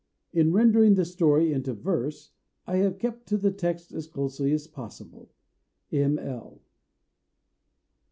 In rendering the story into verse, I have kept to the text as closely as possible. M. L.)